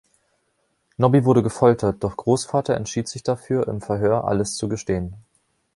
Nobby wurde gefoltert, doch Großvater entschied sich dafür, im Verhör alles zu gestehen.